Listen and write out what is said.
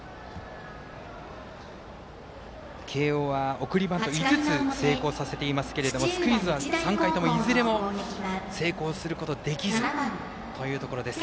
慶応は、送りバント５つ成功させていますけどもスクイズは３回ともいずれも成功することできずというところです。